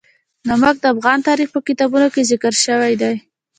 نمک د افغان تاریخ په کتابونو کې ذکر شوی دي.